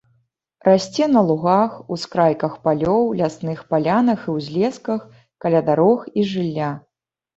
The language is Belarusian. Расце на лугах, ускрайках палёў, лясных палянах і ўзлесках, каля дарог і жылля.